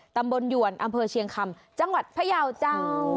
หยวนอำเภอเชียงคำจังหวัดพยาวเจ้า